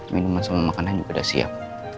minuman sama makanan juga udah siap